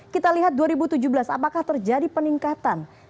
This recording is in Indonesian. kita lihat dua ribu tujuh belas apakah terjadi peningkatan